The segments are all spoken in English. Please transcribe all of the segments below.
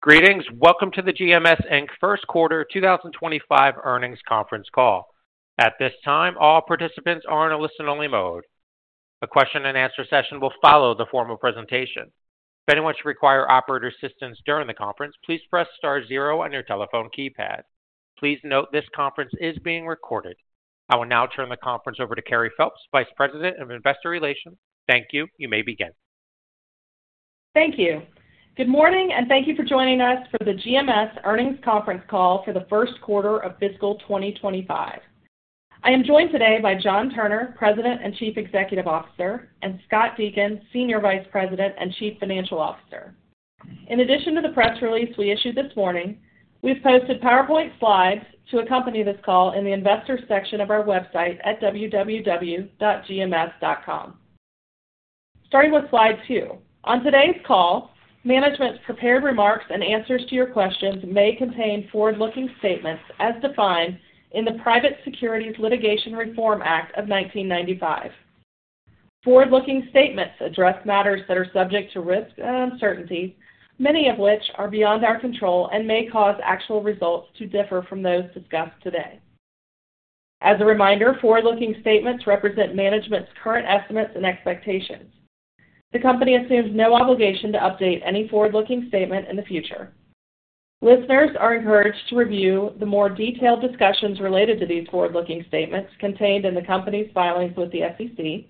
Greetings. Welcome to the GMS Inc first quarter 2025 earnings conference call. At this time, all participants are in a listen-only mode. A question-and-answer session will follow the formal presentation. If anyone should require operator assistance during the conference, please press star zero on your telephone keypad. Please note, this conference is being recorded. I will now turn the conference over to Carrie Phelps, Vice President of Investor Relations. Thank you. You may begin. Thank you. Good morning, and thank you for joining us for the GMS Earnings Conference Call for the first quarter of fiscal 2025. I am joined today by John Turner, President and Chief Executive Officer, and Scott Deakin, Senior Vice President and Chief Financial Officer. In addition to the press release we issued this morning, we've posted PowerPoint slides to accompany this call in the Investors section of our website at www.gms.com. Starting with slide two. On today's call, management's prepared remarks and answers to your questions may contain forward-looking statements as defined in the Private Securities Litigation Reform Act of 1995. Forward-looking statements address matters that are subject to risks and uncertainties, many of which are beyond our control and may cause actual results to differ from those discussed today. As a reminder, forward-looking statements represent management's current estimates and expectations. The company assumes no obligation to update any forward-looking statement in the future. Listeners are encouraged to review the more detailed discussions related to these forward-looking statements contained in the company's filings with the SEC,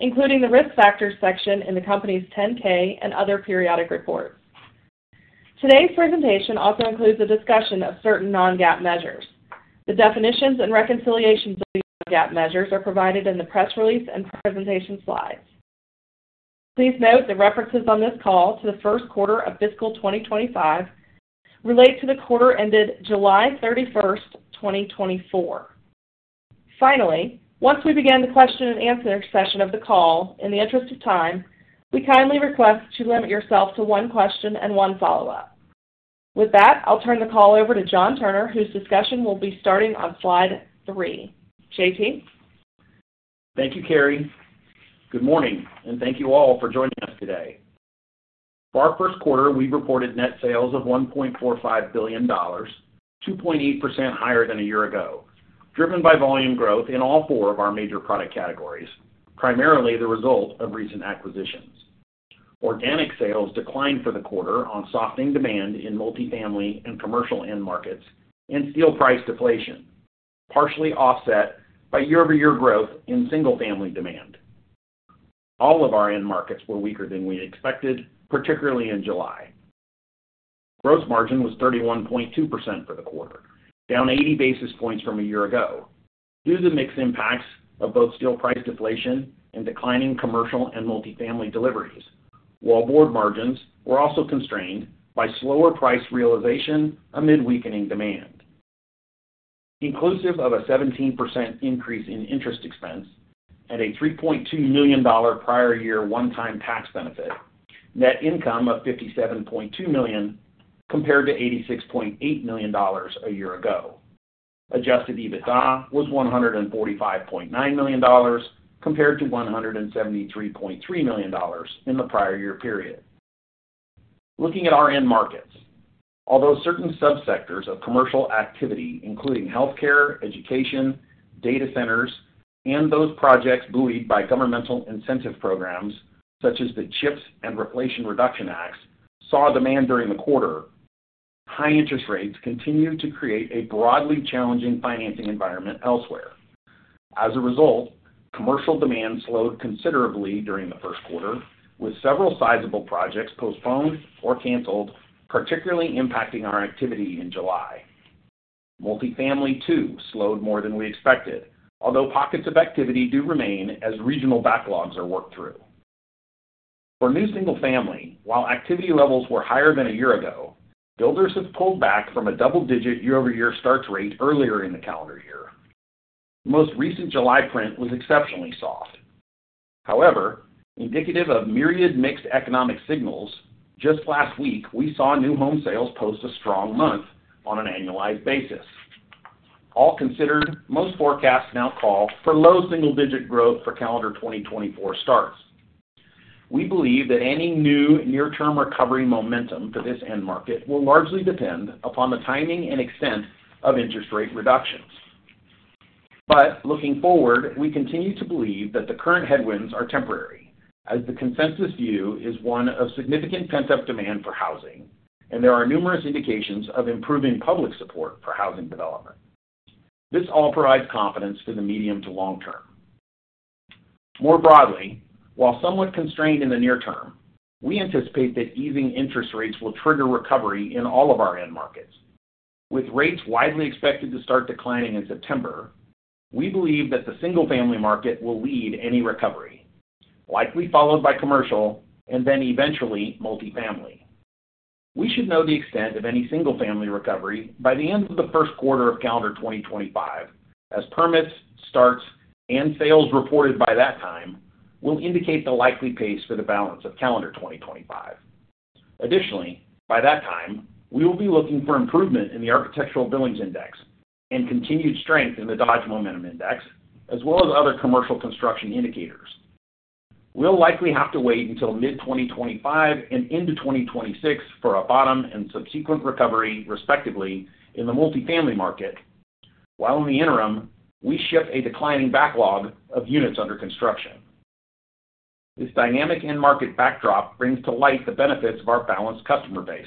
including the Risk Factors section in the company's 10-K and other periodic reports. Today's presentation also includes a discussion of certain non-GAAP measures. The definitions and reconciliations of these non-GAAP measures are provided in the press release and presentation slides. Please note, the references on this call to the first quarter of fiscal 2025 relate to the quarter ended July 31, 2024. Finally, once we begin the question-and-answer session of the call, in the interest of time, we kindly request to limit yourself to one question and one follow-up. With that, I'll turn the call over to John Turner, whose discussion will be starting on slide three. JT? Thank you, Carrie. Good morning, and thank you all for joining us today. For our first quarter, we've reported net sales of $1.45 billion, 2.8% higher than a year ago, driven by volume growth in all four of our major product categories, primarily the result of recent acquisitions. Organic sales declined for the quarter on softening demand in multifamily and commercial end markets and steel price deflation, partially offset by year-over-year growth in single family demand. All of our end markets were weaker than we expected, particularly in July. Gross margin was 31.2% for the quarter, down eighty basis points from a year ago, due to the mixed impacts of both steel price deflation and declining commercial and multifamily deliveries, while board margins were also constrained by slower price realization amid weakening demand. Inclusive of a 17% increase in interest expense and a $3.2 million prior year one-time tax benefit, net income of $57.2 million, compared to $86.8 million a year ago. Adjusted EBITDA was $145.9 million, compared to $173.3 million in the prior year period. Looking at our end markets, although certain subsectors of commercial activity, including healthcare, education, data centers, and those projects buoyed by governmental incentive programs such as the CHIPS and Inflation Reduction Acts, saw demand during the quarter, high interest rates continued to create a broadly challenging financing environment elsewhere. As a result, commercial demand slowed considerably during the first quarter, with several sizable projects postponed or canceled, particularly impacting our activity in July. Multifamily, too, slowed more than we expected, although pockets of activity do remain as regional backlogs are worked through. For new single family, while activity levels were higher than a year ago, builders have pulled back from a double-digit year-over-year starts rate earlier in the calendar year. Most recent July print was exceptionally soft. However, indicative of myriad mixed economic signals, just last week, we saw new home sales post a strong month on an annualized basis. All considered, most forecasts now call for low single-digit growth for calendar 2024 starts. We believe that any new near-term recovery momentum for this end market will largely depend upon the timing and extent of interest rate reductions. But looking forward, we continue to believe that the current headwinds are temporary, as the consensus view is one of significant pent-up demand for housing, and there are numerous indications of improving public support for housing development. This all provides confidence for the medium to long term. More broadly, while somewhat constrained in the near term, we anticipate that easing interest rates will trigger recovery in all of our end markets. With rates widely expected to start declining in September, we believe that the single-family market will lead any recovery, likely followed by commercial and then eventually multifamily. We should know the extent of any single family recovery by the end of the first quarter of calendar 2025, as permits, starts, and sales reported by that time will indicate the likely pace for the balance of calendar 2025. Additionally, by that time, we will be looking for improvement in the Architecture Billings Index and continued strength in the Dodge Momentum Index, as well as other commercial construction indicators. We'll likely have to wait until mid-2025 and into 2026 for a bottom and subsequent recovery, respectively, in the multifamily market, while in the interim, we ship a declining backlog of units under construction. This dynamic end market backdrop brings to light the benefits of our balanced customer base,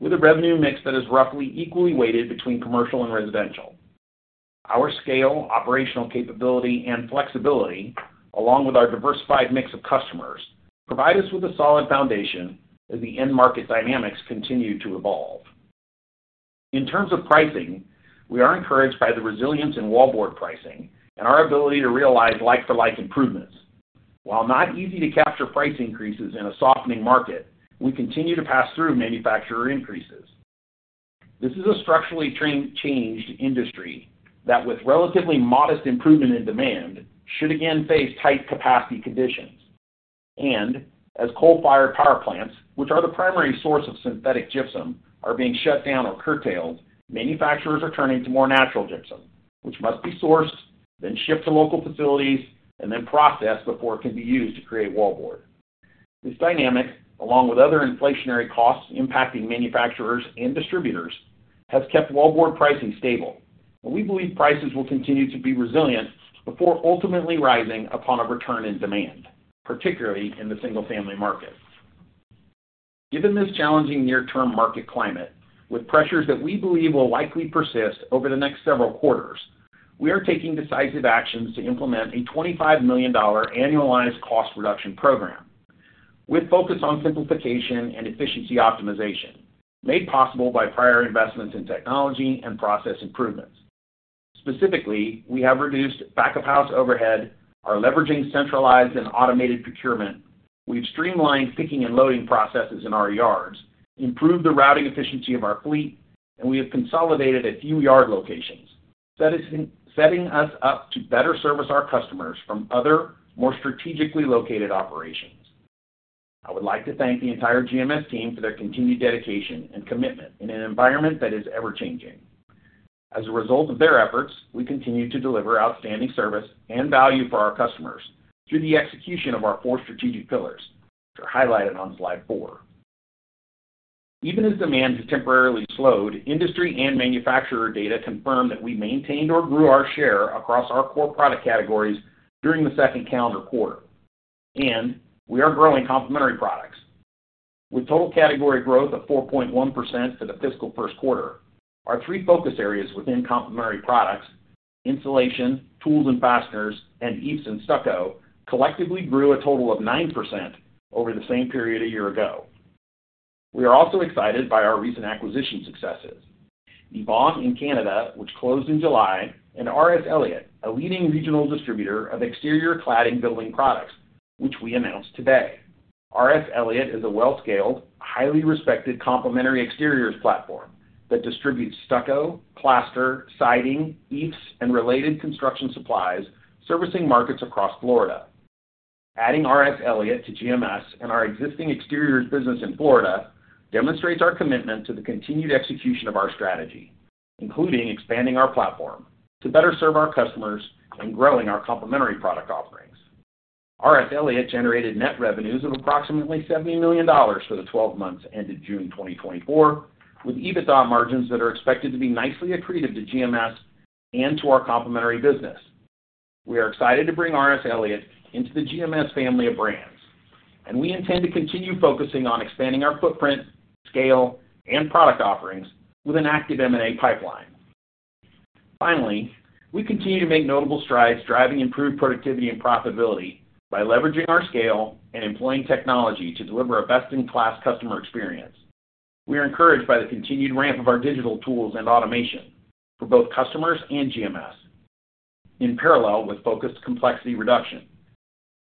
with a revenue mix that is roughly equally weighted between commercial and residential. Our scale, operational capability, and flexibility, along with our diversified mix of customers, provide us with a solid foundation as the end market dynamics continue to evolve. In terms of pricing, we are encouraged by the resilience in wallboard pricing and our ability to realize like-for-like improvements. While not easy to capture price increases in a softening market, we continue to pass through manufacturer increases. This is a structurally transformed industry that, with relatively modest improvement in demand, should again face tight capacity conditions, and as coal-fired power plants, which are the primary source of synthetic gypsum, are being shut down or curtailed, manufacturers are turning to more natural gypsum, which must be sourced, then shipped to local facilities, and then processed before it can be used to create wallboard. This dynamic, along with other inflationary costs impacting manufacturers and distributors, has kept wallboard pricing stable, and we believe prices will continue to be resilient before ultimately rising upon a return in demand, particularly in the single-family market. Given this challenging near-term market climate, with pressures that we believe will likely persist over the next several quarters, we are taking decisive actions to implement a $25 million annualized cost reduction program, with focus on simplification and efficiency optimization, made possible by prior investments in technology and process improvements. Specifically, we have reduced back-of-house overhead, are leveraging centralized and automated procurement. We've streamlined picking and loading processes in our yards, improved the routing efficiency of our fleet, and we have consolidated a few yard locations. That is setting us up to better service our customers from other, more strategically located operations. I would like to thank the entire GMS team for their continued dedication and commitment in an environment that is ever-changing. As a result of their efforts, we continue to deliver outstanding service and value for our customers through the execution of our four strategic pillars, which are highlighted on slide four. Even as demand has temporarily slowed, industry and manufacturer data confirm that we maintained or grew our share across our core product categories during the second calendar quarter, and we are growing complementary products. With total category growth of 4.1% for the fiscal first quarter, our three focus areas within complementary products, insulation, tools and fasteners, and EIFS and stucco, collectively grew a total of 9% over the same period a year ago. We are also excited by our recent acquisition successes. Yvon in Canada, which closed in July, and R.S. Elliott, a leading regional distributor of exterior cladding building products, which we announced today. R.S. Elliott is a well-scaled, highly respected complementary exteriors platform that distributes stucco, plaster, siding, EIFS, and related construction supplies, servicing markets across Florida. Adding R.S. Elliott to GMS and our existing exteriors business in Florida demonstrates our commitment to the continued execution of our strategy, including expanding our platform to better serve our customers and growing our complementary product offerings. R.S. Elliott generated net revenues of approximately $70 million for the twelve months ended June 2024, with EBITDA margins that are expected to be nicely accretive to GMS and to our complementary business. We are excited to bring R.S. Elliott into the GMS family of brands, and we intend to continue focusing on expanding our footprint, scale, and product offerings with an active M&A pipeline. Finally, we continue to make notable strides, driving improved productivity and profitability by leveraging our scale and employing technology to deliver a best-in-class customer experience. We are encouraged by the continued ramp of our digital tools and automation for both customers and GMS, in parallel with focused complexity reduction.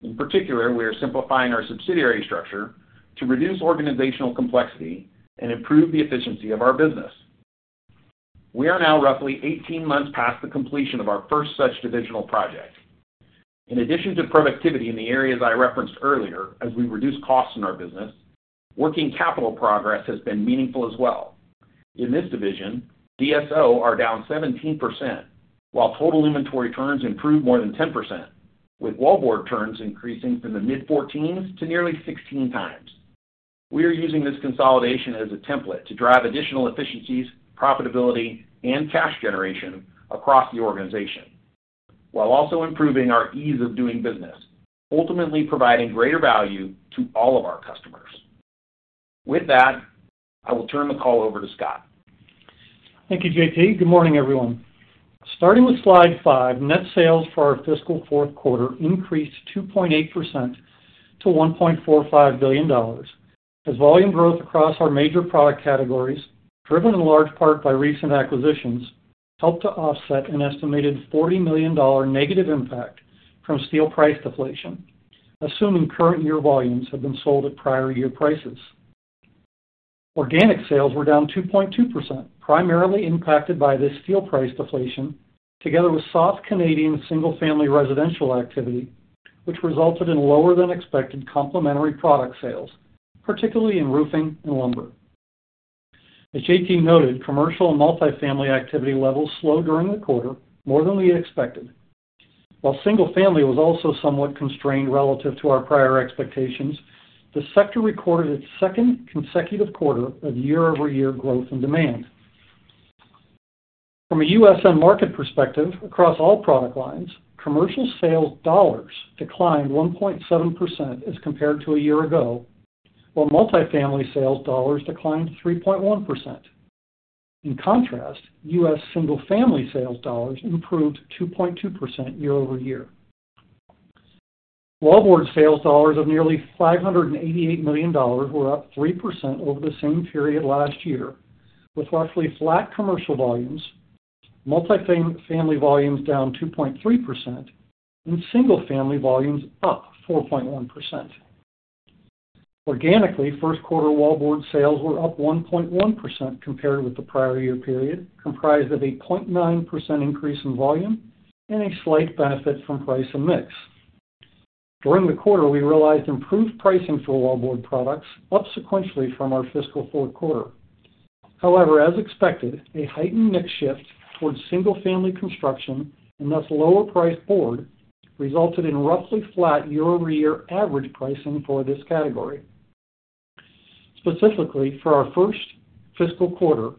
In particular, we are simplifying our subsidiary structure to reduce organizational complexity and improve the efficiency of our business. We are now roughly 18 months past the completion of our first such divisional project. In addition to productivity in the areas I referenced earlier, as we reduce costs in our business, working capital progress has been meaningful as well. In this division, DSO are down 17%, while total inventory turns improved more than 10%, with wallboard turns increasing from the mid-fourteens to nearly 16 times. We are using this consolidation as a template to drive additional efficiencies, profitability, and cash generation across the organization, while also improving our ease of doing business, ultimately providing greater value to all of our customers. With that, I will turn the call over to Scott. Thank you, JT. Good morning, everyone. Starting with slide five, net sales for our fiscal fourth quarter increased 2.8% to $1.45 billion, as volume growth across our major product categories, driven in large part by recent acquisitions, helped to offset an estimated $40 million negative impact from steel price deflation, assuming current year volumes had been sold at prior year prices. Organic sales were down 2.2%, primarily impacted by this steel price deflation, together with soft Canadian single-family residential activity, which resulted in lower than expected complementary product sales, particularly in roofing and lumber. As JT noted, commercial and multifamily activity levels slowed during the quarter more than we expected. While single-family was also somewhat constrained relative to our prior expectations, the sector recorded its second consecutive quarter of year-over-year growth in demand. From a U.S. end market perspective, across all product lines, commercial sales dollars declined 1.7% as compared to a year ago, while multifamily sales dollars declined 3.1%. In contrast, U.S. single-family sales dollars improved 2.2% year-over-year. Wallboard sales dollars of nearly $588 million were up 3% over the same period last year, with roughly flat commercial volumes, multifamily volumes down 2.3%, and single-family volumes up 4.1%. Organically, first quarter wallboard sales were up 1.1% compared with the prior year period, comprised of a 0.9% increase in volume and a slight benefit from price and mix. During the quarter, we realized improved pricing for wallboard products up sequentially from our fiscal fourth quarter. However, as expected, a heightened mix shift towards single-family construction, and thus lower-priced board, resulted in roughly flat year-over-year average pricing for this category. Specifically, for our first fiscal quarter,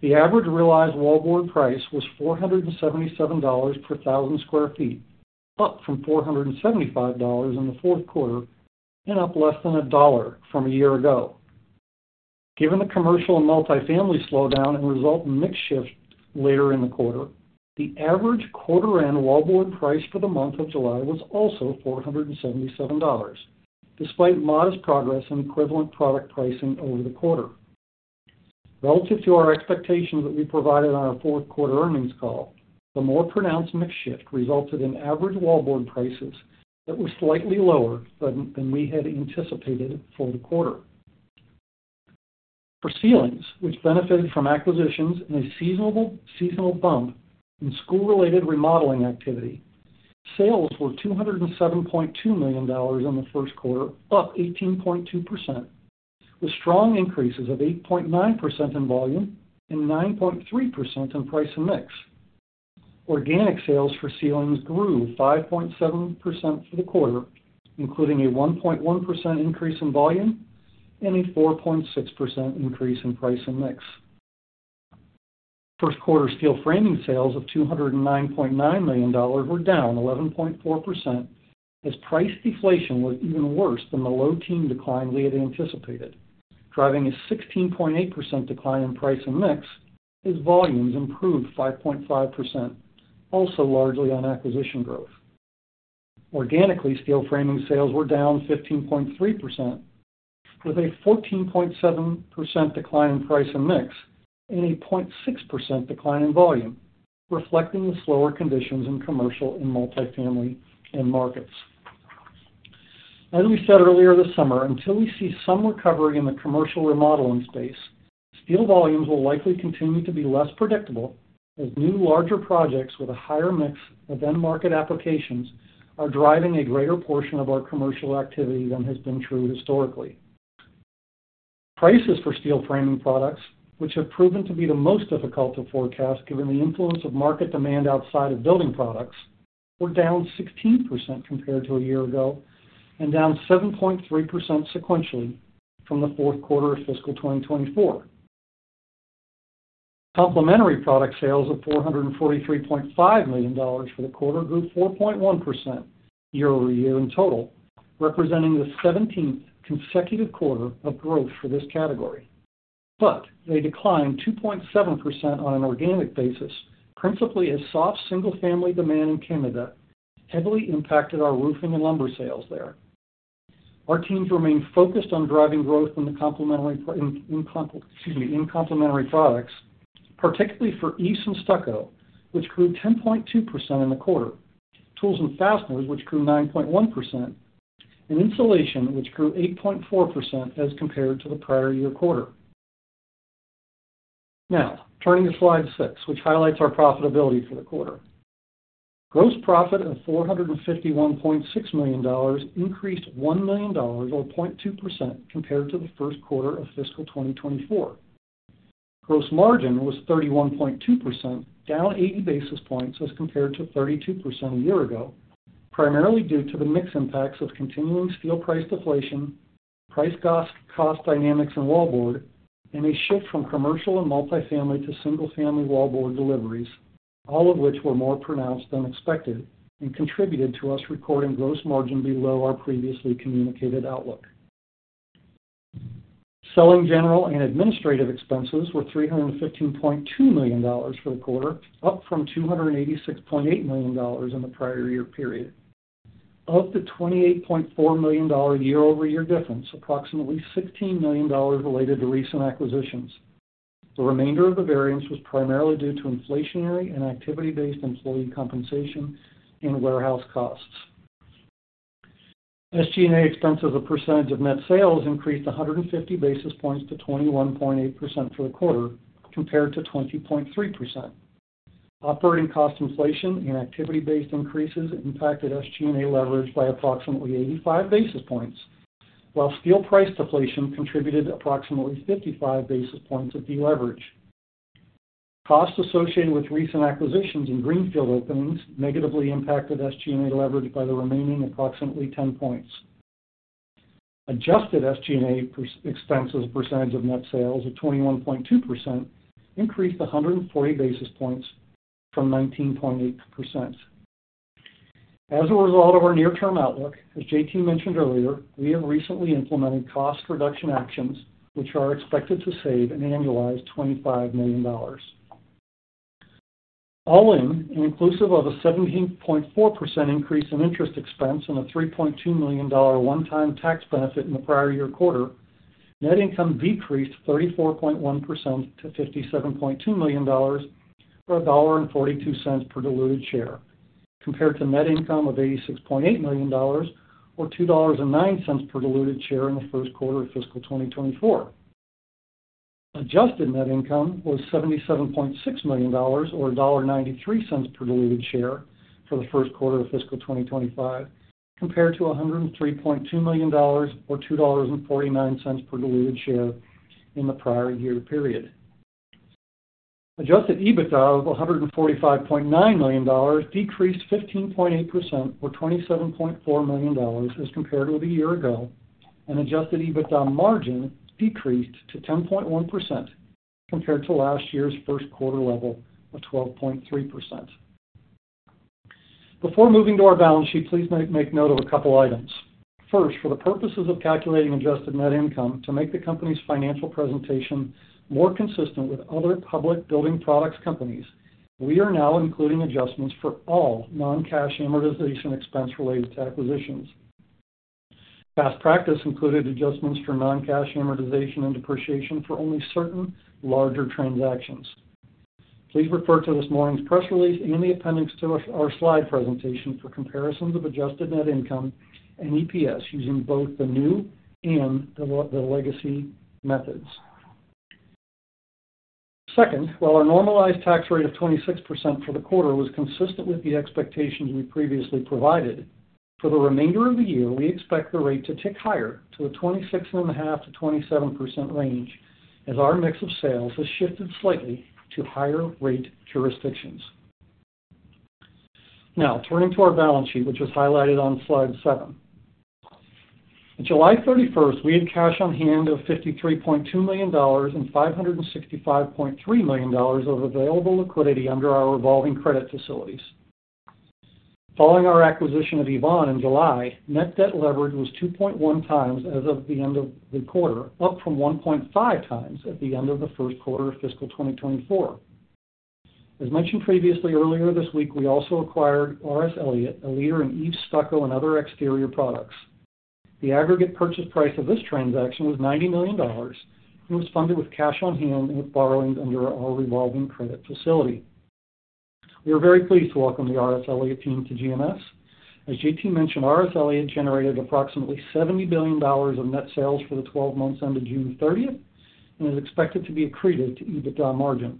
the average realized wallboard price was $477 per thousand sq ft, up from $475 in the fourth quarter and up less than a dollar from a year ago. Given the commercial and multifamily slowdown and result in mix shift later in the quarter, the average quarter end wallboard price for the month of July was also $477, despite modest progress in equivalent product pricing over the quarter. Relative to our expectations that we provided on our fourth quarter earnings call, the more pronounced mix shift resulted in average wallboard prices that were slightly lower than we had anticipated for the quarter. For ceilings, which benefited from acquisitions and a seasonal bump in school-related remodeling activity, sales were $207.2 million in the first quarter, up 18.2%, with strong increases of 8.9% in volume and 9.3% in price and mix. Organic sales for ceilings grew 5.7% for the quarter, including a 1.1% increase in volume and a 4.6% increase in price and mix. First quarter steel framing sales of $209.9 million were down 11.4%, as price deflation was even worse than the low teen decline we had anticipated, driving a 16.8% decline in price and mix as volumes improved 5.5%, also largely on acquisition growth. Organically, steel framing sales were down 15.3%, with a 14.7% decline in price and mix, and a 0.6% decline in volume, reflecting the slower conditions in commercial and multifamily end markets. As we said earlier this summer, until we see some recovery in the commercial remodeling space, steel volumes will likely continue to be less predictable as new, larger projects with a higher mix of end-market applications are driving a greater portion of our commercial activity than has been true historically. Prices for steel framing products, which have proven to be the most difficult to forecast, given the influence of market demand outside of building products, were down 16% compared to a year ago and down 7.3% sequentially from the fourth quarter of fiscal 2024. Complementary product sales of $443.5 million for the quarter grew 4.1% year-over-year in total, representing the 17th consecutive quarter of growth for this category. But they declined 2.7% on an organic basis, principally as soft single-family demand in Canada heavily impacted our roofing and lumber sales there. Our teams remain focused on driving growth in complementary products, particularly for EIFS and stucco, which grew 10.2% in the quarter, tools and fasteners, which grew 9.1%, and insulation, which grew 8.4% as compared to the prior year quarter. Now, turning to slide six, which highlights our profitability for the quarter. Gross profit of $451.6 million increased $1 million or 0.2% compared to the first quarter of fiscal 2024. Gross margin was 31.2%, down 80 basis points as compared to 32% a year ago, primarily due to the mix impacts of continuing steel price deflation, price cost, cost dynamics in wallboard, and a shift from commercial and multifamily to single-family wallboard deliveries, all of which were more pronounced than expected and contributed to us recording gross margin below our previously communicated outlook. Selling, general, and administrative expenses were $315.2 million for the quarter, up from $286.8 million in the prior year period. Of the $28.4 million year-over-year difference, approximately $16 million related to recent acquisitions. The remainder of the variance was primarily due to inflationary and activity-based employee compensation and warehouse costs. SG&A expense as a percentage of net sales increased 150 basis points to 21.8% for the quarter, compared to 20.3%. Operating cost inflation and activity-based increases impacted SG&A leverage by approximately 85 basis points, while steel price deflation contributed approximately 55 basis points of deleverage. Costs associated with recent acquisitions and greenfield openings negatively impacted SG&A leverage by the remaining approximately 10 points. Adjusted SG&A expenses percentage of net sales of 21.2% increased 140 basis points from 19.8%. As a result of our near-term outlook, as JT mentioned earlier, we have recently implemented cost reduction actions, which are expected to save an annualized $25 million. All in, and inclusive of a 17.4% increase in interest expense and a $3.2 million one-time tax benefit in the prior year quarter, net income decreased 34.1% to $57.2 million, or $1.42 per diluted share, compared to net income of $86.8 million, or $2.09 per diluted share in the first quarter of fiscal 2024. Adjusted net income was $77.6 million, or $1.93 per diluted share for the first quarter of fiscal 2025, compared to $103.2 million, or $2.49 per diluted share in the prior year period. Adjusted EBITDA of $145.9 million decreased 15.8%, or $27.4 million as compared with a year ago, and Adjusted EBITDA margin decreased to 10.1% compared to last year's first quarter level of 12.3%. Before moving to our balance sheet, please make note of a couple items. First, for the purposes of calculating adjusted net income to make the company's financial presentation more consistent with other public building products companies, we are now including adjustments for all non-cash amortization expense related to acquisitions. Past practice included adjustments for non-cash amortization and depreciation for only certain larger transactions. Please refer to this morning's press release and the appendix to our slide presentation for comparisons of adjusted net income and EPS using both the new and the legacy methods. Second, while our normalized tax rate of 26% for the quarter was consistent with the expectations we previously provided, for the remainder of the year, we expect the rate to tick higher to a 26.5%-27% range as our mix of sales has shifted slightly to higher rate jurisdictions. Now, turning to our balance sheet, which is highlighted on slide seven. On July 31st, we had cash on hand of $53.2 million and $565.3 million of available liquidity under our revolving credit facilities. Following our acquisition of Yvon in July, net debt leverage was 2.1 times as of the end of the quarter, up from 1.5 times at the end of the first quarter of fiscal 2024. As mentioned previously, earlier this week, we also acquired R.S. Elliott, a leader in EIFS, stucco, and other exterior products. The aggregate purchase price of this transaction was $90 million and was funded with cash on hand and with borrowings under our revolving credit facility. We are very pleased to welcome the R.S. Elliott team to GMS. As JT mentioned, R.S. Elliott generated approximately $70 billion of net sales for the twelve months ended June thirtieth, and is expected to be accretive to EBITDA margin.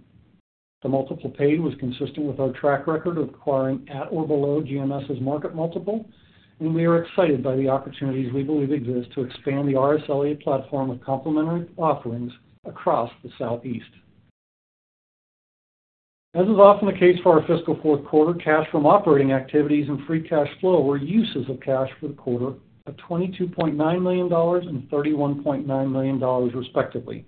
The multiple paid was consistent with our track record of acquiring at or below GMS's market multiple, and we are excited by the opportunities we believe exist to expand the R.S. Elliott platform of complementary offerings across the Southeast. As is often the case for our fiscal fourth quarter, cash from operating activities and free cash flow were uses of cash for the quarter of $22.9 million and $31.9 million, respectively,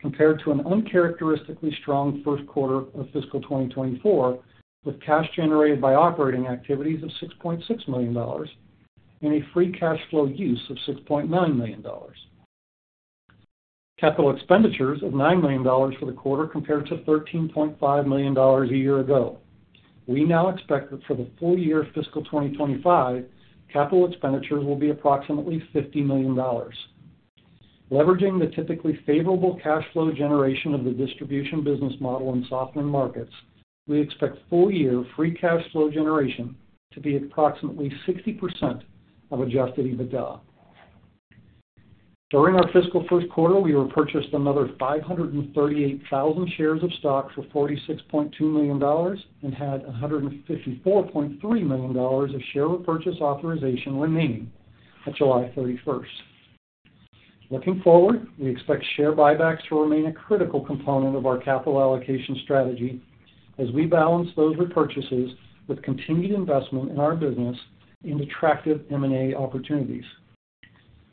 compared to an uncharacteristically strong first quarter of fiscal 2024, with cash generated by operating activities of $6.6 million and a free cash flow use of $6.9 million. Capital expenditures of $9 million for the quarter compared to $13.5 million a year ago. We now expect that for the full year of fiscal 2025, capital expenditures will be approximately $50 million. Leveraging the typically favorable cash flow generation of the distribution business model in softened markets, we expect full-year free cash flow generation to be approximately 60% of Adjusted EBITDA. During our fiscal first quarter, we repurchased another 538,000 shares of stock for $46.2 million and had $154.3 million of share repurchase authorization remaining on July thirty-first. Looking forward, we expect share buybacks to remain a critical component of our capital allocation strategy as we balance those repurchases with continued investment in our business and attractive M&A opportunities.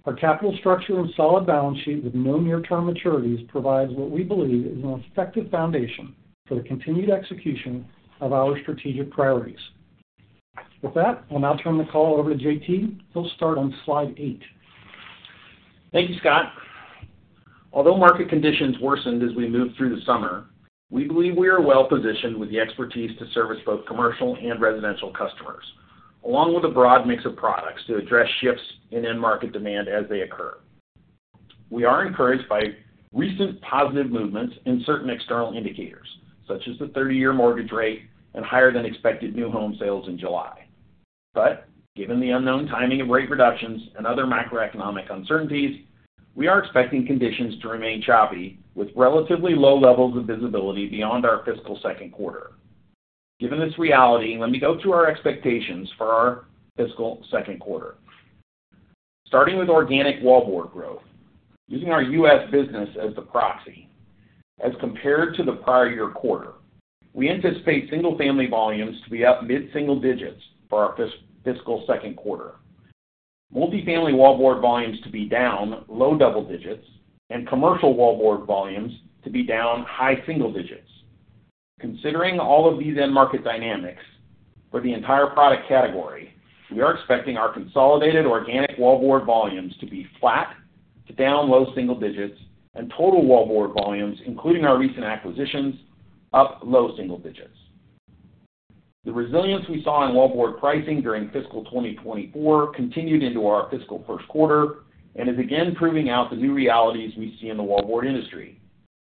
Our capital structure and solid balance sheet with no near-term maturities provides what we believe is an effective foundation for the continued execution of our strategic priorities. With that, I'll now turn the call over to JT. He'll start on slide eight. Thank you, Scott. Although market conditions worsened as we moved through the summer, we believe we are well-positioned with the expertise to service both commercial and residential customers, along with a broad mix of products to address shifts in end market demand as they occur. We are encouraged by recent positive movements in certain external indicators, such as the thirty-year mortgage rate and higher than expected new home sales in July.... But given the unknown timing of rate reductions and other macroeconomic uncertainties, we are expecting conditions to remain choppy, with relatively low levels of visibility beyond our fiscal second quarter. Given this reality, let me go through our expectations for our fiscal second quarter. Starting with organic wallboard growth, using our U.S. business as the proxy, as compared to the prior year quarter, we anticipate single-family volumes to be up mid-single digits for our fiscal second quarter, multifamily wallboard volumes to be down low double digits, and commercial wallboard volumes to be down high single digits. Considering all of these end market dynamics for the entire product category, we are expecting our consolidated organic wallboard volumes to be flat to down low single digits, and total wallboard volumes, including our recent acquisitions, up low single digits. The resilience we saw in wallboard pricing during fiscal 2024 continued into our fiscal first quarter and is again proving out the new realities we see in the wallboard industry.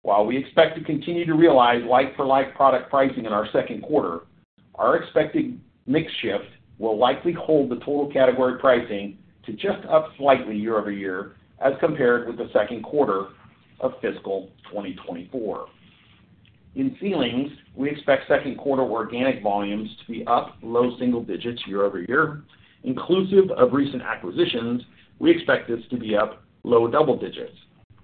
While we expect to continue to realize like-for-like product pricing in our second quarter, our expected mix shift will likely hold the total category pricing to just up slightly year-over-year, as compared with the second quarter of fiscal 2024. In ceilings, we expect second quarter organic volumes to be up low single digits year-over-year. Inclusive of recent acquisitions, we expect this to be up low double digits,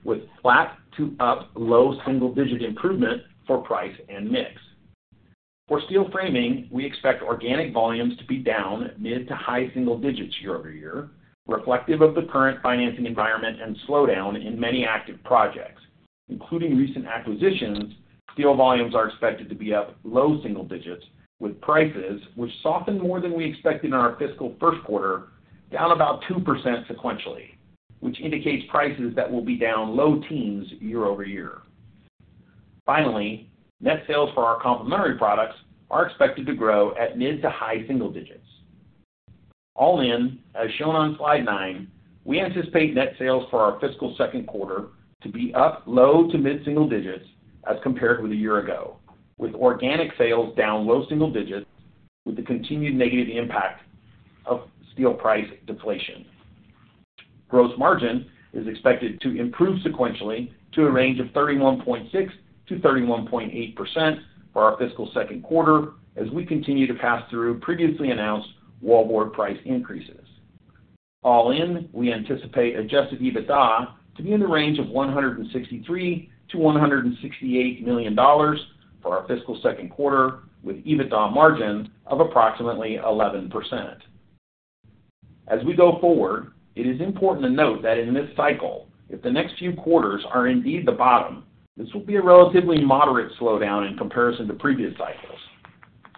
with flat to up low single digit improvement for price and mix. For steel framing, we expect organic volumes to be down mid to high single digits year-over-year, reflective of the current financing environment and slowdown in many active projects. Including recent acquisitions, steel volumes are expected to be up low single digits, with prices, which softened more than we expected in our fiscal first quarter, down about 2% sequentially, which indicates prices that will be down low teens year-over-year. Finally, net sales for our complementary products are expected to grow at mid to high single digits. All in, as shown on slide nine, we anticipate net sales for our fiscal second quarter to be up low to mid single digits as compared with a year ago, with organic sales down low single digits, with the continued negative impact of steel price deflation. Gross margin is expected to improve sequentially to a range of 31.6%-31.8% for our fiscal second quarter, as we continue to pass through previously announced wallboard price increases. All in, we anticipate Adjusted EBITDA to be in the range of $163 million-$168 million for our fiscal second quarter, with EBITDA margin of approximately 11%. As we go forward, it is important to note that in this cycle, if the next few quarters are indeed the bottom, this will be a relatively moderate slowdown in comparison to previous cycles.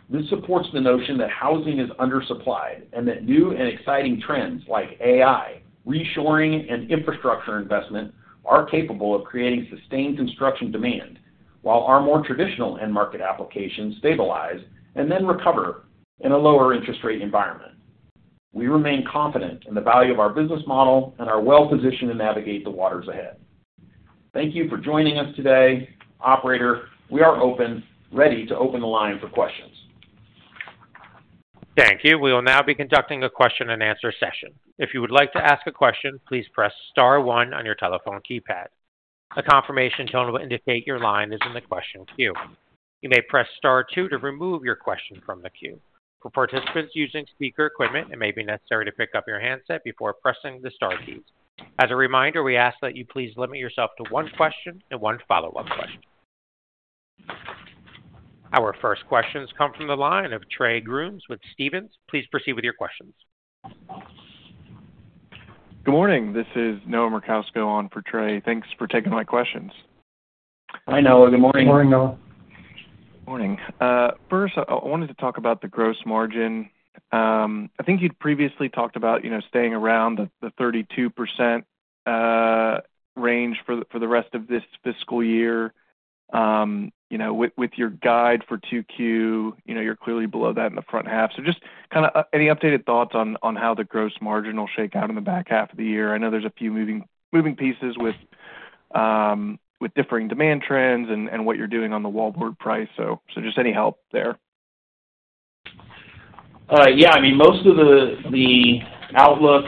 This supports the notion that housing is undersupplied and that new and exciting trends like AI, reshoring, and infrastructure investment are capable of creating sustained construction demand, while our more traditional end market applications stabilize and then recover in a lower interest rate environment. We remain confident in the value of our business model and are well-positioned to navigate the waters ahead. Thank you for joining us today. Operator, we are ready to open the line for questions. Thank you. We will now be conducting a question-and-answer session. If you would like to ask a question, please press star one on your telephone keypad. A confirmation tone will indicate your line is in the question queue. You may press star two to remove your question from the queue. For participants using speaker equipment, it may be necessary to pick up your handset before pressing the star keys. As a reminder, we ask that you please limit yourself to one question and one follow-up question. Our first questions come from the line of Trey Grooms with Stephens. Please proceed with your questions. Good morning. This is Noah Merkousko on for Trey. Thanks for taking my questions. Hi, Noah. Good morning. Good morning, Noah. Morning. First, I wanted to talk about the gross margin. I think you'd previously talked about, you know, staying around the 32% range for the rest of this fiscal year. You know, with your guide for 2Q, you know, you're clearly below that in the front half. So just kinda any updated thoughts on how the gross margin will shake out in the back half of the year? I know there's a few moving pieces with differing demand trends and what you're doing on the wallboard price. So just any help there? Yeah, I mean, most of the outlook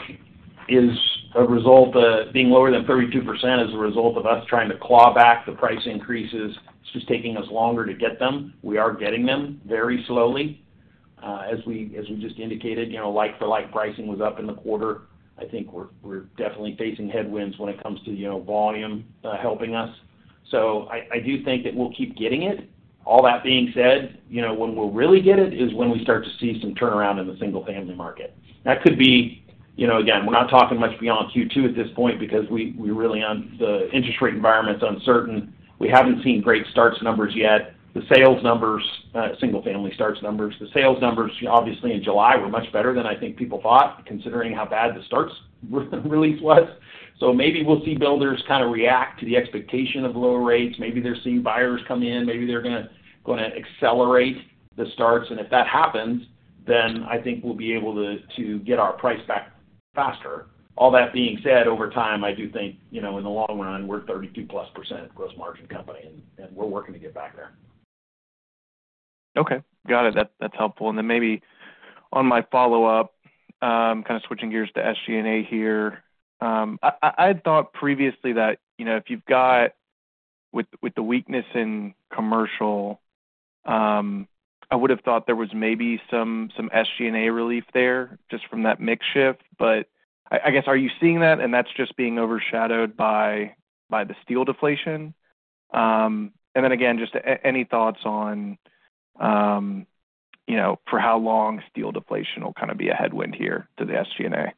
is a result of being lower than 32% as a result of us trying to claw back the price increases. It's just taking us longer to get them. We are getting them very slowly. As we just indicated, you know, like-for-like pricing was up in the quarter. I think we're definitely facing headwinds when it comes to, you know, volume helping us. So I do think that we'll keep getting it. All that being said, you know, when we'll really get it is when we start to see some turnaround in the single-family market. That could be. You know, again, we're not talking much beyond Q2 at this point because the interest rate environment is uncertain. We haven't seen great starts numbers yet. The sales numbers, single-family starts numbers. The sales numbers, obviously, in July, were much better than I think people thought, considering how bad the starts release was. So maybe we'll see builders kinda react to the expectation of lower rates. Maybe they're seeing buyers come in, maybe they're gonna accelerate the starts. And if that happens, then I think we'll be able to get our price back faster. All that being said, over time, I do think, you know, in the long run, we're a 32+% gross margin company, and we're working to get back there. Okay, got it. That, that's helpful. And then maybe on my follow-up, kind of switching gears to SG&A here. I thought previously that, you know, if you've got with the weakness in commercial, I would have thought there was maybe some SG&A relief there, just from that mix shift. But I guess, are you seeing that, and that's just being overshadowed by the steel deflation? And then again, just any thoughts on, you know, for how long steel deflation will kind of be a headwind here to the SG&A?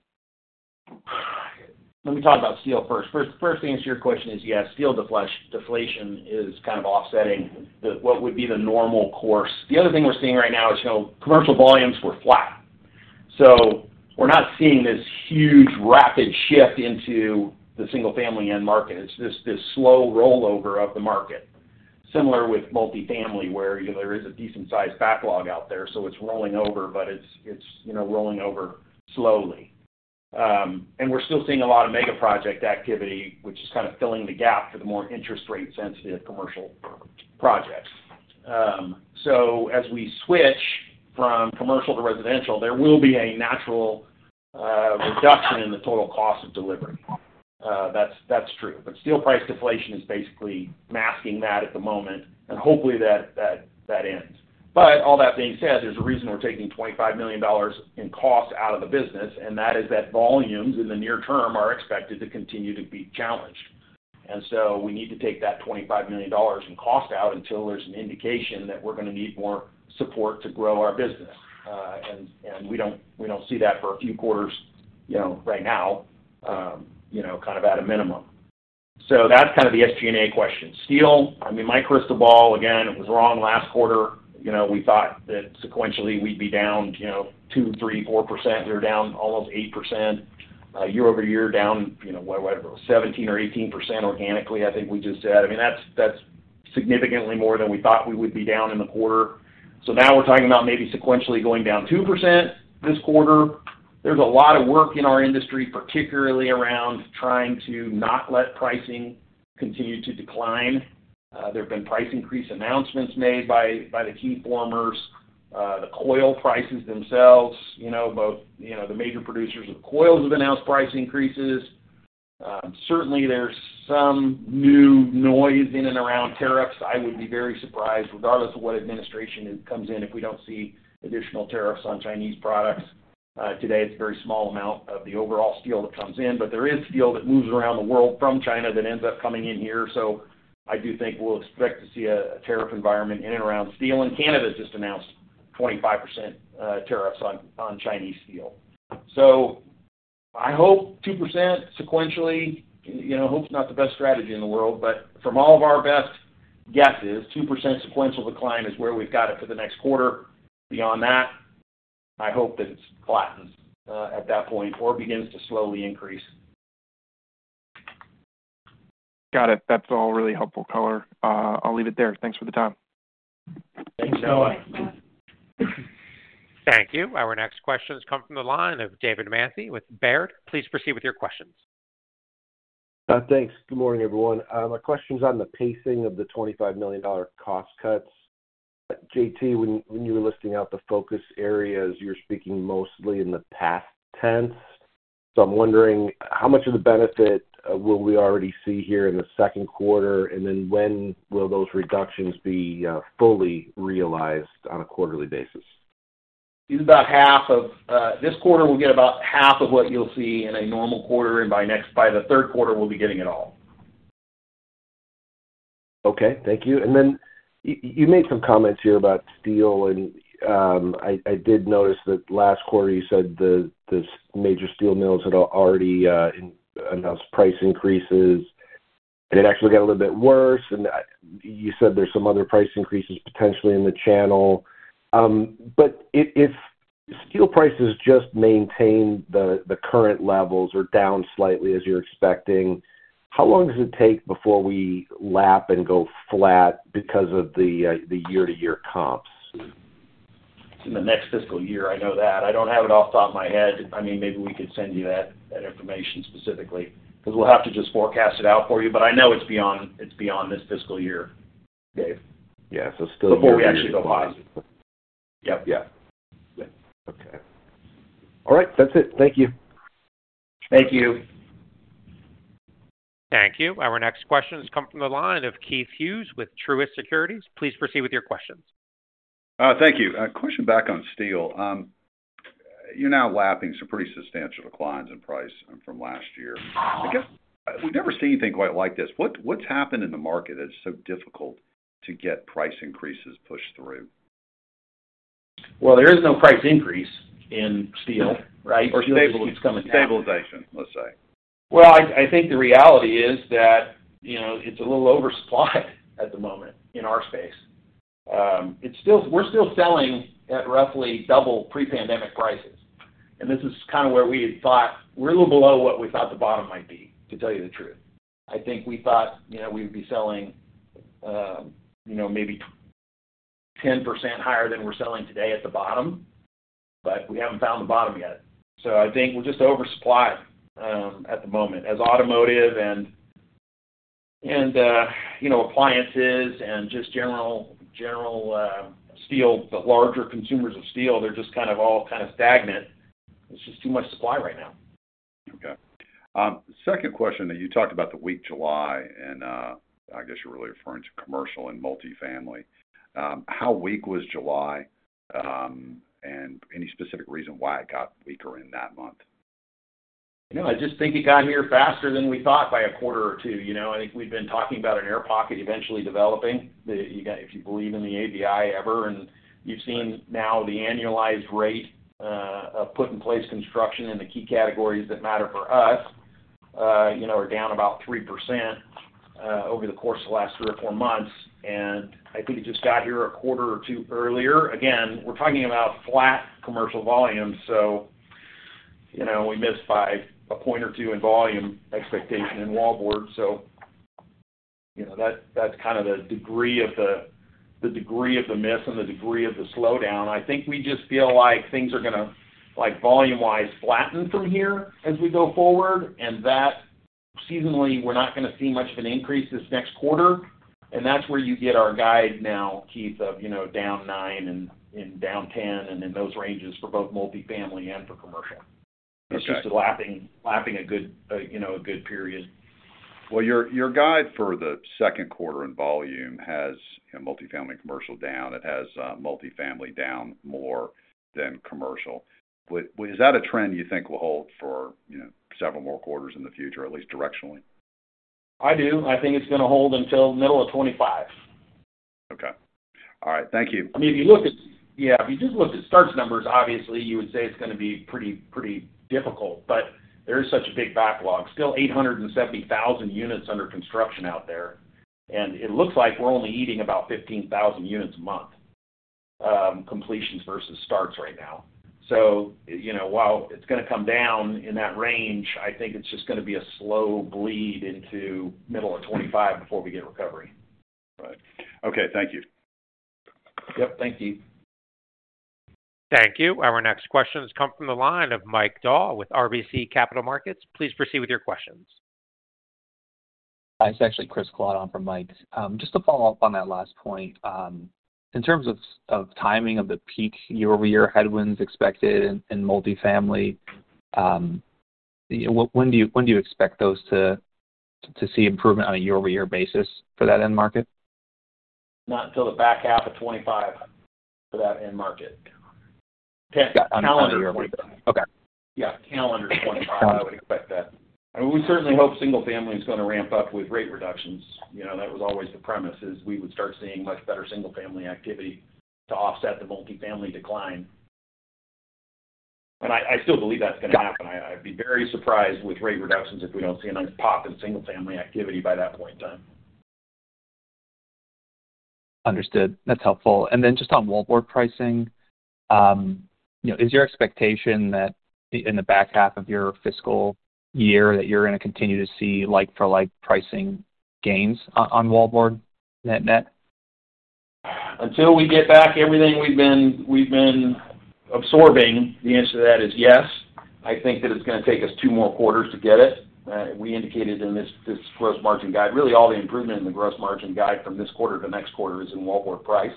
Let me talk about steel first. First to answer your question is, yes, steel deflation is kind of offsetting the what would be the normal course. The other thing we're seeing right now is, you know, commercial volumes were flat. So we're not seeing this huge, rapid shift into the single-family end market. It's this slow rollover of the market. Similar with multifamily, where, you know, there is a decent sized backlog out there, so it's rolling over, but it's, you know, rolling over slowly. And we're still seeing a lot of mega project activity, which is kind of filling the gap for the more interest rate-sensitive commercial projects. So as we switch from commercial to residential, there will be a natural reduction in the total cost of delivery. That's true. But steel price deflation is basically masking that at the moment, and hopefully, that ends. But all that being said, there's a reason we're taking $25 million in cost out of the business, and that is that volumes in the near term are expected to continue to be challenged. And so we need to take that $25 million in cost out until there's an indication that we're going to need more support to grow our business. And we don't see that for a few quarters, you know, right now, you know, kind of at a minimum. So that's kind of the SG&A question. Steel, I mean, my crystal ball, again, it was wrong last quarter. You know, we thought that sequentially, we'd be down, you know, 2%, 3%, 4%. We're down almost 8%. Year-over-year, down, you know, what, whatever, 17% or 18% organically, I think we just said. I mean, that's, that's significantly more than we thought we would be down in the quarter. So now we're talking about maybe sequentially going down 2% this quarter. There's a lot of work in our industry, particularly around trying to not let pricing continue to decline. There have been price increase announcements made by the key formers. The coil prices themselves, you know, both, you know, the major producers of coils have announced price increases. Certainly, there's some new noise in and around tariffs. I would be very surprised, regardless of what administration comes in, if we don't see additional tariffs on Chinese products. Today, it's a very small amount of the overall steel that comes in, but there is steel that moves around the world from China that ends up coming in here. So I do think we'll expect to see a tariff environment in and around steel, and Canada has just announced 25% tariffs on Chinese steel. So I hope 2% sequentially, you know, hope's not the best strategy in the world, but from all of our best guesses, 2% sequential decline is where we've got it for the next quarter. Beyond that, I hope that it flattens at that point or begins to slowly increase. Got it. That's all really helpful color. I'll leave it there. Thanks for the time. Thanks, Noah. Thank you. Our next question has come from the line of David Mantey with Baird. Please proceed with your questions. Thanks. Good morning, everyone. My question is on the pacing of the $25 million cost cuts. JT, when you were listing out the focus areas, you were speaking mostly in the past tense. So I'm wondering: How much of the benefit will we already see here in the second quarter? And then when will those reductions be fully realized on a quarterly basis? About half of this quarter, we'll get about half of what you'll see in a normal quarter, and by the third quarter, we'll be getting it all. Okay, thank you. And then you made some comments here about steel, and I did notice that last quarter, you said the major steel mills had already announced price increases, and it actually got a little bit worse, and you said there's some other price increases potentially in the channel. But if steel prices just maintain the current levels or down slightly as you're expecting, how long does it take before we lap and go flat because of the year-to-year comps? It's in the next fiscal year, I know that. I don't have it off the top of my head. I mean, maybe we could send you that information specifically, because we'll have to just forecast it out for you, but I know it's beyond this fiscal year, Dave. Yeah, so still- Before we actually go live. Yep. Yeah. Okay. All right, that's it. Thank you. Thank you. Thank you. Our next question has come from the line of Keith Hughes with Truist Securities. Please proceed with your questions. Thank you. A question back on steel. You're now lapping some pretty substantial declines in price from last year. I guess we've never seen anything quite like this. What's happened in the market that's so difficult to get price increases pushed through? There is no price increase in steel, right? Or stabilization, let's say. I think the reality is that, you know, it's a little oversupplied at the moment in our space. It's still. We're still selling at roughly double pre-pandemic prices. This is kind of where we had thought. We're a little below what we thought the bottom might be, to tell you the truth. I think we thought, you know, we'd be selling, you know, maybe 10% higher than we're selling today at the bottom. But we haven't found the bottom yet. So I think we're just oversupplied at the moment, as automotive and you know, appliances and just general steel, the larger consumers of steel, they're just kind of all stagnant. There's just too much supply right now. Okay. Second question, that you talked about the weak July, and I guess you're really referring to commercial and multifamily. How weak was July, and any specific reason why it got weaker in that month? No, I just think it got here faster than we thought by a quarter or two. You know, I think we've been talking about an air pocket eventually developing. If you believe in the ABI ever, and you've seen now the annualized rate of put in place construction in the key categories that matter for us, you know, are down about 3%, over the course of the last three or four months, and I think it just got here a quarter or two earlier. Again, we're talking about flat commercial volumes, so, you know, we missed by a point or two in volume expectation in wallboard. So, you know, that's kind of the degree of the miss and the degree of the slowdown. I think we just feel like things are gonna, like, volume-wise, flatten from here as we go forward, and that seasonally, we're not gonna see much of an increase this next quarter, and that's where you get our guide now, Keith, of, you know, down 9% and down 10%, and in those ranges for both multifamily and for commercial. Okay. It's just lapping, lapping a good, you know, a good period. Well, your guide for the second quarter in volume has, you know, multifamily commercial down. It has multifamily down more than commercial. Is that a trend you think will hold for, you know, several more quarters in the future, at least directionally? I do. I think it's gonna hold until middle of 2025. Okay. All right, thank you. I mean, if you just look at starts numbers, obviously, you would say it's gonna be pretty difficult, but there is such a big backlog. Still 870,000 units under construction out there, and it looks like we're only eating about 15,000 units a month, completions versus starts right now. So, you know, while it's gonna come down in that range, I think it's just gonna be a slow bleed into middle of 2025 before we get recovery. Right. Okay, thank you. Yep, thank you. Thank you. Our next question has come from the line of Mike Dahl with RBC Capital Markets. Please proceed with your questions. It's actually Chris Groton for Mike. Just to follow up on that last point, in terms of the timing of the peak year-over-year headwinds expected in multifamily, when do you expect those to see improvement on a year-over-year basis for that end market? Not until the back half of 2025 for that end market. Got it. Calendar- Okay. Yeah, calendar 2025, I would expect that. And we certainly hope single family is gonna ramp up with rate reductions. You know, that was always the premise, is we would start seeing much better single family activity to offset the multifamily decline. And I still believe that's gonna happen. I'd be very surprised with rate reductions if we don't see a nice pop in single family activity by that point in time. Understood. That's helpful. And then just on wallboard pricing, you know, is your expectation that in the back half of your fiscal year, that you're gonna continue to see like-for-like pricing gains on wallboard net net? Until we get back everything we've been absorbing, the answer to that is yes. I think that it's gonna take us two more quarters to get it. We indicated in this gross margin guide, really all the improvement in the gross margin guide from this quarter to next quarter is in wallboard price.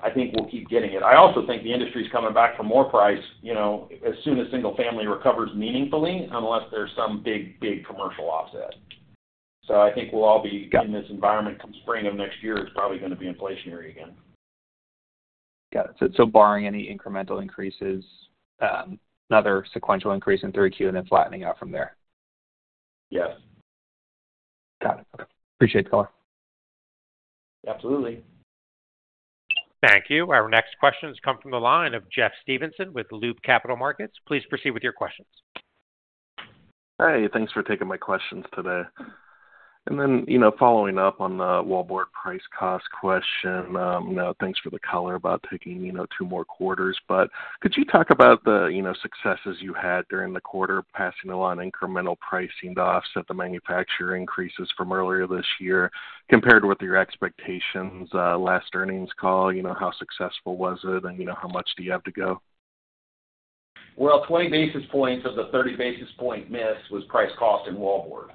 I think we'll keep getting it. I also think the industry is coming back for more price, you know, as soon as single family recovers meaningfully, unless there's some big, big commercial offset. So I think we'll all be in this environment come spring of next year, it's probably gonna be inflationary again. Got it. Barring any incremental increases, another sequential increase in 3Q and then flattening out from there? Yes. Got it. Appreciate the call. Absolutely. Thank you. Our next question has come from the line of Jeff Stevenson with Loop Capital Markets. Please proceed with your questions. Hey, thanks for taking my questions today. Then, you know, following up on the wallboard price cost question, you know, thanks for the color about taking, you know, two more quarters. But could you talk about the, you know, successes you had during the quarter, passing along incremental pricing to offset the manufacturer increases from earlier this year, compared with your expectations, last earnings call? You know, how successful was it, and, you know, how much do you have to go? 20 basis points of the 30 basis point miss was price cost and wallboard.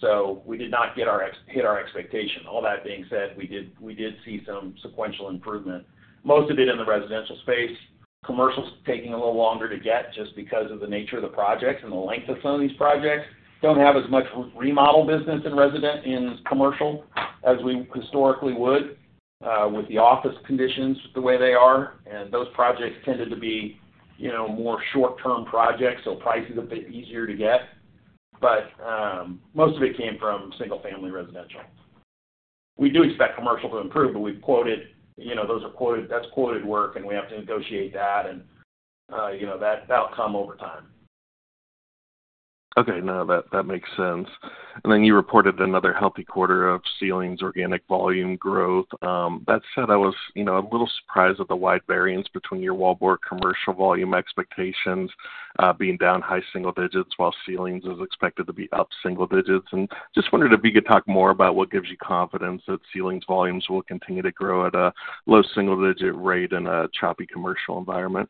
So we did not get our hit our expectation. All that being said, we did see some sequential improvement, most of it in the residential space. Commercial's taking a little longer to get just because of the nature of the projects and the length of some of these projects. Don't have as much remodel business in residential, in commercial as we historically would, with the office conditions the way they are, and those projects tended to be, you know, more short-term projects, so price is a bit easier to get. But, most of it came from single-family residential. We do expect commercial to improve, but we've quoted, you know, those are quoted. That's quoted work, and we have to negotiate that, and, you know, that'll come over time. Okay. No, that makes sense. And then you reported another healthy quarter of ceilings organic volume growth. That said, I was, you know, a little surprised at the wide variance between your wallboard commercial volume expectations being down high single digits, while ceilings is expected to be up single digits. And just wondered if you could talk more about what gives you confidence that ceilings volumes will continue to grow at a low single-digit rate in a choppy commercial environment?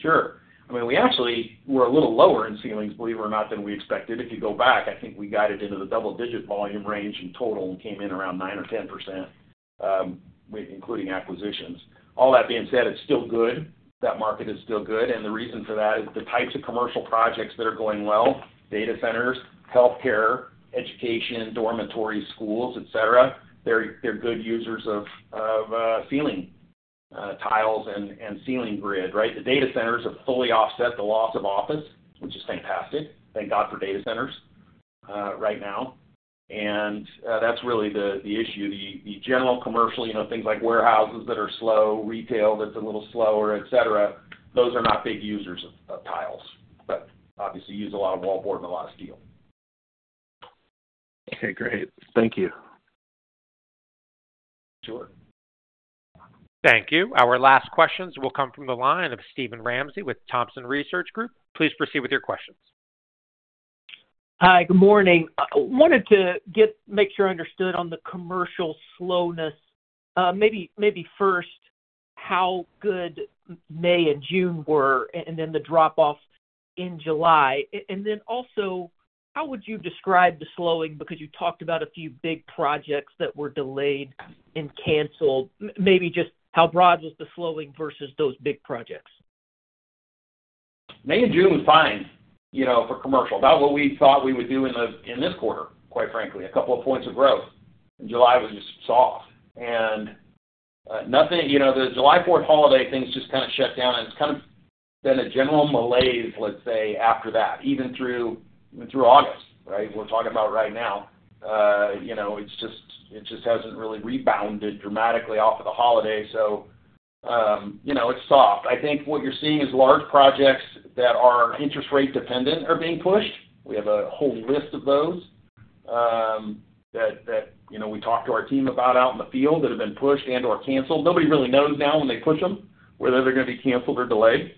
Sure. I mean, we actually were a little lower in ceilings, believe it or not, than we expected. If you go back, I think we got it into the double-digit volume range in total, and came in around 9% or 10%, with including acquisitions. All that being said, it's still good. That market is still good, and the reason for that is the types of commercial projects that are going well, data centers, healthcare, education, dormitory, schools, et cetera. They're good users of ceiling tiles and ceiling grid, right? The data centers have fully offset the loss of office, which is fantastic. Thank God for data centers, right now. And that's really the issue. The general commercial, you know, things like warehouses that are slow, retail that's a little slower, et cetera, those are not big users of tiles, but obviously use a lot of wallboard and a lot of steel. Okay, great. Thank you. Sure. Thank you. Our last questions will come from the line of Steven Ramsey with Thompson Research Group. Please proceed with your questions. Hi, good morning. I wanted to make sure I understood on the commercial slowness, maybe first, how good May and June were, and then the drop off in July, and then also, how would you describe the slowing? Because you talked about a few big projects that were delayed and canceled. Maybe just how broad was the slowing versus those big projects? May and June was fine, you know, for commercial. About what we thought we would do in this quarter, quite frankly, a couple of points of growth, and July was just soft. And nothing, you know, the July Fourth holiday, things just kind of shut down, and it's kind of been a general malaise, let's say, after that, even through August, right? We're talking about right now. You know, it's just, it just hasn't really rebounded dramatically off of the holiday, so, you know, it's soft. I think what you're seeing is large projects that are interest rate dependent are being pushed. We have a whole list of those that you know we talk to our team about out in the field that have been pushed and/or canceled. Nobody really knows now when they push them, whether they're gonna be canceled or delayed.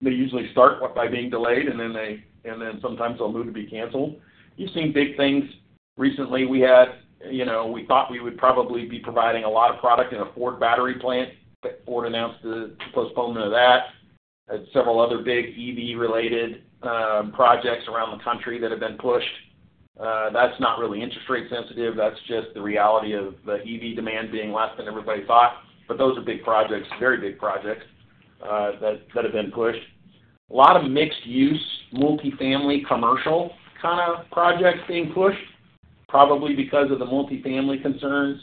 They usually start by being delayed, and then they, and then sometimes they'll move to be canceled. You've seen big things. Recently, we had, you know, we thought we would probably be providing a lot of product in a Ford battery plant. Ford announced the postponement of that, and several other big EV-related projects around the country that have been pushed. That's not really interest rate sensitive, that's just the reality of the EV demand being less than everybody thought. But those are big projects, very big projects, that have been pushed. A lot of mixed-use, multifamily, commercial kind of projects being pushed, probably because of the multifamily concerns.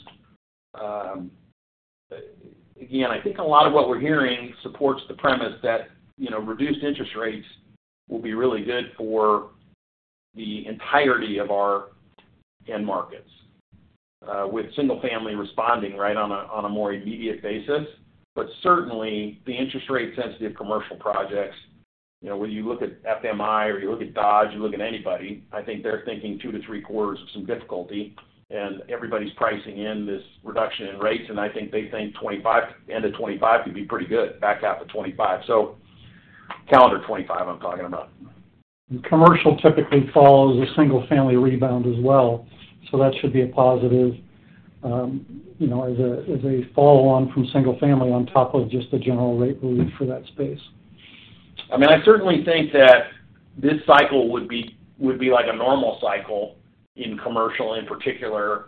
Again, I think a lot of what we're hearing supports the premise that, you know, reduced interest rates will be really good for the entirety of our end markets, with single family responding, right, on a more immediate basis. But certainly, the interest rate-sensitive commercial projects, you know, whether you look at FMI, or you look at Dodge, you look at anybody, I think they're thinking two to three quarters of some difficulty, and everybody's pricing in this reduction in rates, and I think they think 2025, end of 2025 could be pretty good, back half of 2025. So calendar 2025, I'm talking about. Commercial typically follows a single-family rebound as well, so that should be a positive, you know, as a follow-on from single family on top of just the general rate relief for that space. I mean, I certainly think that this cycle would be like a normal cycle in commercial, in particular,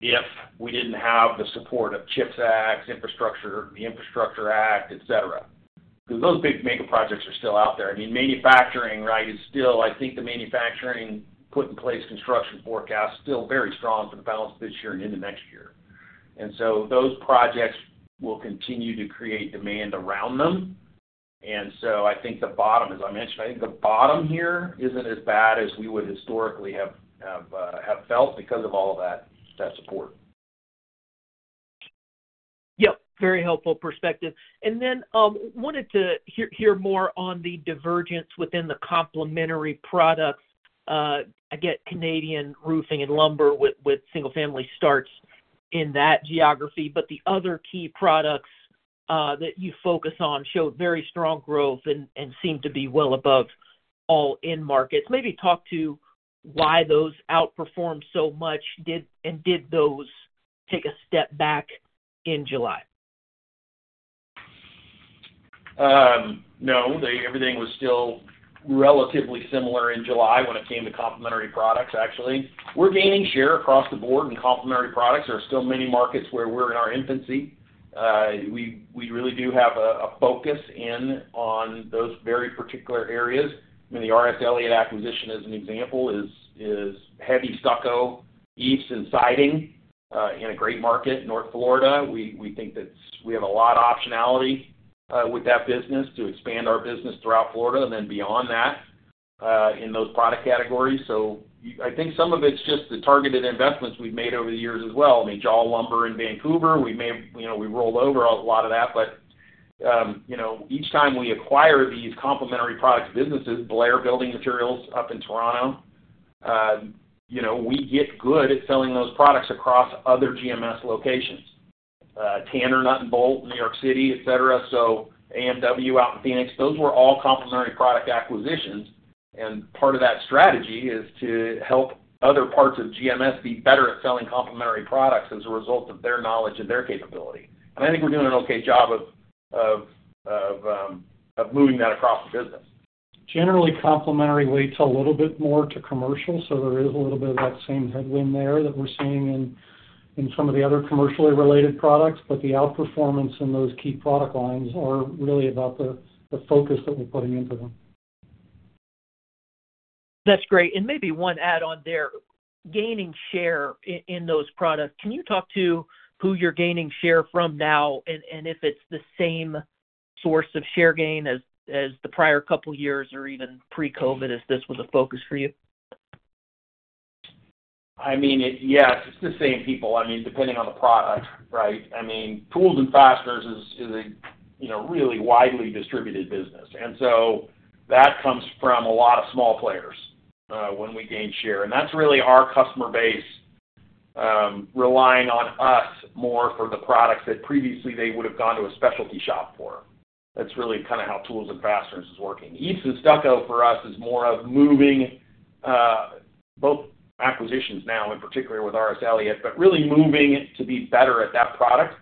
if we didn't have the support of CHIPS Acts, infrastructure, the Infrastructure Act, et cetera, because those big mega projects are still out there. I mean, manufacturing, right, is still... I think the manufacturing put in place construction forecast, still very strong for the balance of this year and into next year. And so those projects will continue to create demand around them. And so I think the bottom, as I mentioned, I think the bottom here isn't as bad as we would historically have felt because of all of that, that support. Yep, very helpful perspective. And then, wanted to hear more on the divergence within the complementary products. I get Canadian roofing and lumber with single family starts in that geography, but the other key products that you focus on showed very strong growth and seem to be well above all end markets. Maybe talk to why those outperformed so much, and did those take a step back in July? No, everything was still relatively similar in July when it came to complementary products actually. We're gaining share across the board in complementary products. There are still many markets where we're in our infancy. We really do have a focus in on those very particular areas. I mean, the R.S. Elliott acquisition, as an example, is heavy stucco, EIFS, and siding in a great market, North Florida. We think that's. We have a lot of optionality with that business to expand our business throughout Florida and then beyond that in those product categories. So, I think some of it's just the targeted investments we've made over the years as well. I mean, Jawl Lumber in Vancouver, we made, you know, we rolled over a lot of that, but, you know, each time we acquire these complementary products businesses, Blair Building Materials up in Toronto, you know, we get good at selling those products across other GMS locations. Tanner Nut and Bolt, New York City, et cetera, so AMW out in Phoenix, those were all complementary product acquisitions. And part of that strategy is to help other parts of GMS be better at selling complementary products as a result of their knowledge and their capability. And I think we're doing an okay job of moving that across the business. Generally, complementary weights a little bit more to commercial, so there is a little bit of that same headwind there that we're seeing in some of the other commercially related products. But the outperformance in those key product lines are really about the focus that we're putting into them. That's great, and maybe one add-on there. Gaining share in those products, can you talk to who you're gaining share from now, and if it's the same source of share gain as the prior couple of years or even pre-COVID, if this was a focus for you? I mean, yes, it's the same people. I mean, depending on the product, right? I mean, tools and fasteners is a, you know, really widely distributed business. And so that comes from a lot of small players when we gain share. And that's really our customer base relying on us more for the products that previously they would have gone to a specialty shop for. That's really kind of how tools and fasteners is working. EIFS and stucco for us is more of moving both acquisitions now, in particular with R.S. Elliott, but really moving to be better at that product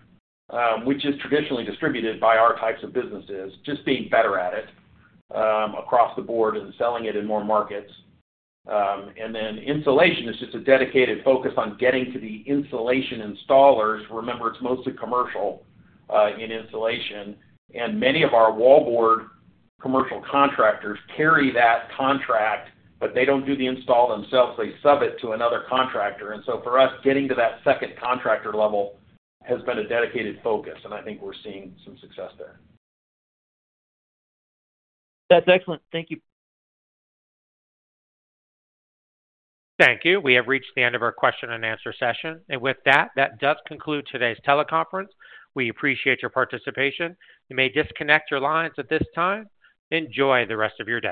which is traditionally distributed by our types of businesses. Just being better at it across the board and selling it in more markets, and then insulation is just a dedicated focus on getting to the insulation installers. Remember, it's mostly commercial, in insulation, and many of our wallboard commercial contractors carry that contract, but they don't do the install themselves, they sub it to another contractor. And so for us, getting to that second contractor level has been a dedicated focus, and I think we're seeing some success there. That's excellent. Thank you. Thank you. We have reached the end of our question and answer session. And with that, that does conclude today's teleconference. We appreciate your participation. You may disconnect your lines at this time. Enjoy the rest of your day.